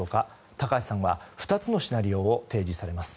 高橋さんは２つのシナリオを提示されます。